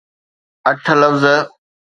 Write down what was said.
اٺ لفظ.